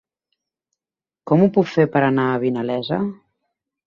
Com ho puc fer per anar a Vinalesa?